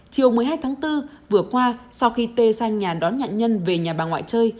chiều một mươi hai tháng bốn vừa qua sau khi tê sang nhà đón nhận về nhà bà ngoại chơi